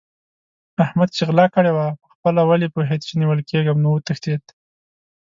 احمد چې غلا کړې وه؛ په خپل ولي پوهېد چې نيول کېږم نو وتښتېد.